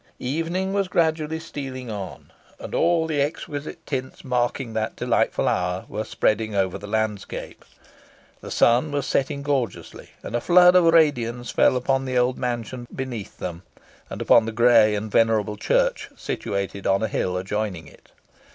Evening was gradually stealing on, and all the exquisite tints marking that delightful hour, were spreading over the landscape. The sun was setting gorgeously, and a flood of radiance fell upon the old mansion beneath them, and upon the grey and venerable church, situated on a hill adjoining it.